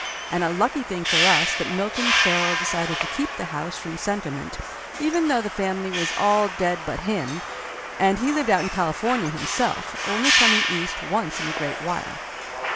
And a lucky thing for us that Milton Sherrill decided to keep the house from sentiment, even though the family was all dead but him, and he 35 36 Laughter Limited lived out in California himself, only coming East once in a great while.